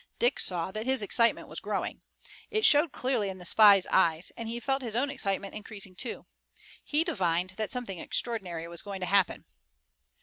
Dick saw that his excitement was growing. It showed clearly in the spy's eyes, and he felt his own excitement increasing, too. He divined that something extraordinary was going to happen.